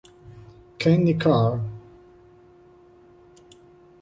Kenny Carr